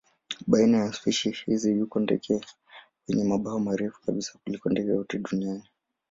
Baina ya spishi hizi yuko ndege wenye mabawa marefu kabisa kuliko ndege wote duniani.